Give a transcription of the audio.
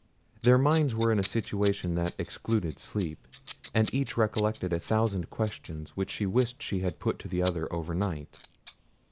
Their minds were in a situation that excluded sleep, and each recollected a thousand questions which she wished she had put to the other overnight.